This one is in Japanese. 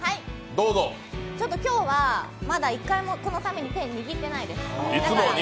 ちょっと今日はまだ１回もこのために握ってないです。